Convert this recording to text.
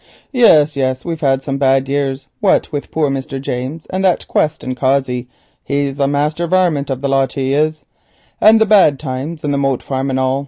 "Yes, yes, we've had some bad years, what with poor Mr. James and that Quest and Cossey (he's the master varmint of the lot he is), and the bad times, and Janter, and the Moat Farm and all.